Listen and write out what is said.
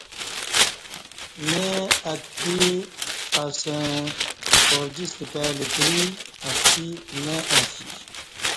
ایں اتکی اسسں اوجِستہ کائی لتری اتکی نہ اسی